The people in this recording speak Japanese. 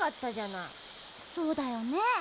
そうだよね。